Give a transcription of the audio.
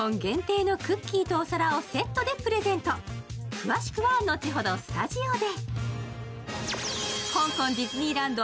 詳しくは後ほどスタジオで。